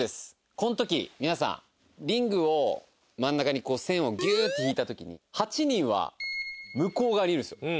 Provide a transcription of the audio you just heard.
この時、皆さんリングを、真ん中に線をギューッて引いた時に８人は向こう側にいるんですよ。